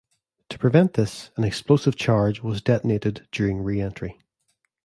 To prevent this, an explosive charge was detonated during reentry.